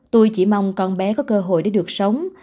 tôi chỉ mong con bé có cơ hội để được sống